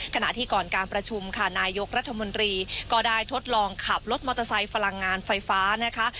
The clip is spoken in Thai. ขณะที่ก่อนการประชุมค่ะนายกรัฐมนตรีก็ได้ทดลองขับรถมอเตอร์ไซค์พลังงานไฟฟ้านะคะ